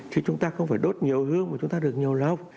chứ chúng ta không phải đốt nhiều hương mà chúng ta được nhiều lòng